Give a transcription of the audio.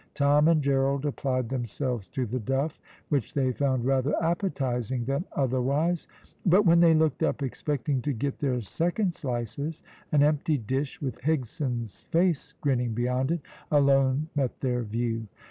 Tom and Gerald applied themselves to the duff, which they found rather appetising than otherwise; but when they looked up expecting to get their second slices, an empty dish with Higson's face grinning beyond it, alone met their view.